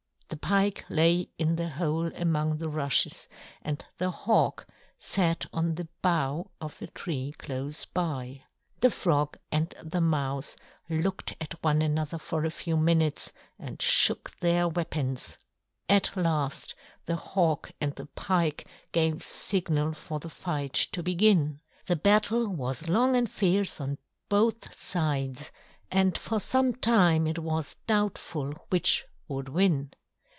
The Pike lay in the hole among the rushes and the Hawk sat on the bough of a tree close by. [Illustration: "THE BATTLE WAS LONG AND FIERCE ON BOTH SIDES."] The Frog and the Mouse looked at one another for a few minutes and shook their weapons. At last the Hawk and the Pike gave signal for the fight to begin. The battle was long and fierce on both sides, and for some time it was doubtful which would win.